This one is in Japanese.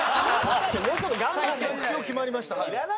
目標決まりましたはい。